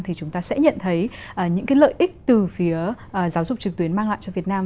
thì chúng ta sẽ nhận thấy những cái lợi ích từ phía giáo dục trực tuyến mang lại cho việt nam